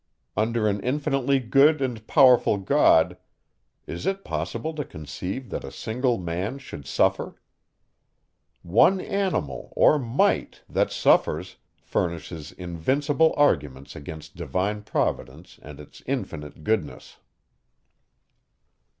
Under an infinitely good and powerful God, is it possible to conceive that a single man should suffer? One animal, or mite, that suffers, furnishes invincible arguments against divine providence and its infinite goodness.